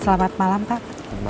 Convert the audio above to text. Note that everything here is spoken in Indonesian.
selamat malam pak